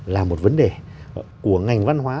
là một vấn đề của ngành văn hóa